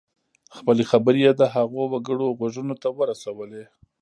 خپلې خبرې یې د هغو وګړو غوږونو ته ورسولې.